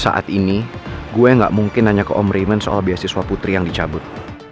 saat ini gue gak mungkin nanya ke omrement soal beasiswa putri yang dicabut